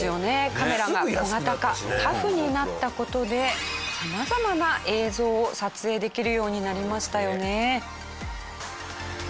カメラが小型化・タフになった事で様々な映像を撮影できるようになりましたよね。